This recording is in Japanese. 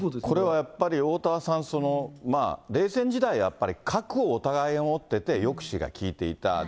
これはやっぱり、おおたわさん、冷戦時代、やっぱり核をお互いが持ってて、抑止が効いていた。